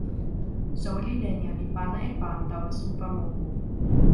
soweli Lenja li pana e pan tawa supa moku.